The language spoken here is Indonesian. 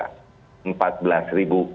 jadi saya mengatakan